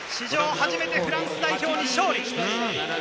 初めてフランス代表に勝利。